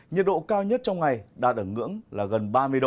nhiệt độ cao nhất trong ngày đạt ở ngưỡng là gần ba mươi độ